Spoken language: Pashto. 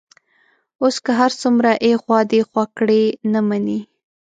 اوس که هر څومره ایخوا دیخوا کړي، نه مني.